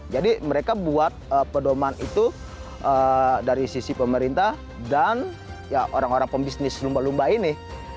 jadi mereka buat perlumbaan itu dari sisi pemerintah dan orang orang pembisnis lumba lumba ini